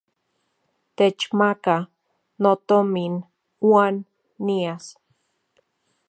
Techmaka notomin uan nias.